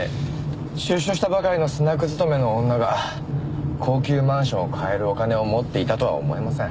出所したばかりのスナック勤めの女が高級マンションを買えるお金を持っていたとは思えません。